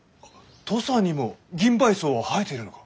土佐にもギンバイソウは生えているのか？